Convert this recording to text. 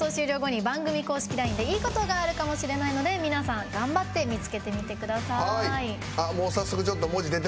ＬＩＮＥにいいことがあるかもしれないので皆さん、頑張って見つけてください。